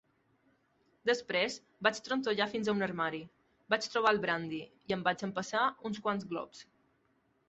Després vaig trontollar fins a un armari, vaig trobar el brandi i em vaig empassar uns quants glops.